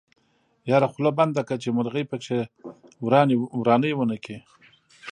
يره خوله بنده که چې مرغۍ پکې ورانی ونکي.